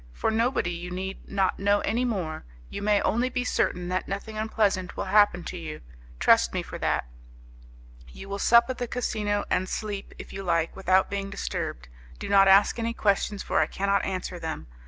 'For nobody. You need not know any more: you may only be certain that nothing unpleasant will happen to you; trust me for that. You will sup at the casino, and sleep, if you like, without being disturbed. Do not ask any questions, for I cannot answer them.